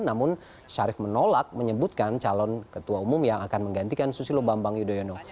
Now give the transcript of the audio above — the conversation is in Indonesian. namun syarif menolak menyebutkan calon ketua umum yang akan menggantikan susilo bambang yudhoyono